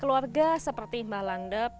keluarga seperti mbak landep